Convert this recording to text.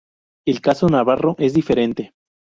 El caso navarro es diferente.